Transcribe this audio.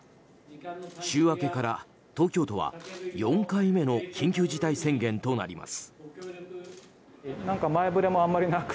週明けから東京都は４回目の緊急事態宣言となります。